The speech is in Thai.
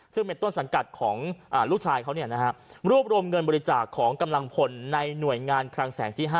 ซึ่งเป็นต้นสังกัดของลูกชายเขารวบรวมเงินบริจาคของกำลังพลในหน่วยงานคลังแสงที่๕